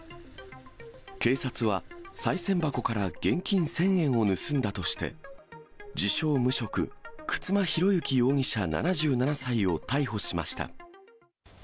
警察は、さい銭箱から現金１０００円を盗んだとして、自称無職、沓間寛行容疑者７７歳を逮捕しました。